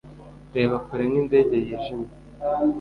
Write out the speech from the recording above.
Reba kure nkindege yijimye